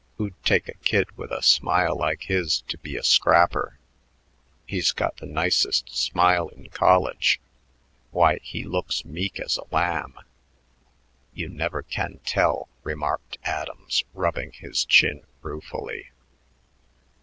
Who'd take a kid with a smile like his to be a scrapper? He's got the nicest smile in college. Why, he looks meek as a lamb." "You never can tell," remarked Adams, rubbing his chin ruefully.